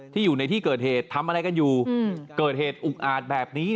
อยู่ในที่เกิดเหตุทำอะไรกันอยู่เกิดเหตุอุกอาจแบบนี้